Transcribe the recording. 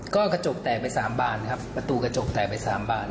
ก็กระจกแตกไป๓บานครับประตูกระจกแตกไป๓บาน